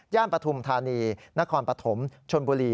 ย่านปฐมธานีนครปฐมชนบุรี